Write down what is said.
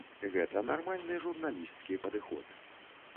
Гэта нармальны журналісцкі падыход.